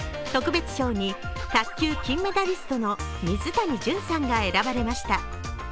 特別賞に卓球金メダリストの水谷隼さんが選ばれました。